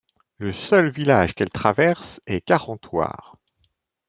Le seul village qu'elle traverse est Carentoir.